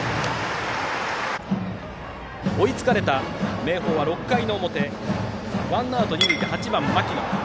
追いつかれた明豊は６回の表ワンアウト二塁で８番、牧野。